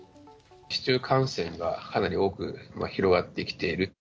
市中感染がかなり多く広がってきている。